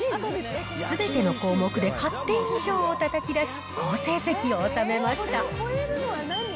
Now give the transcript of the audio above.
すべての項目で８点以上をたたき出し、好成績を収めました。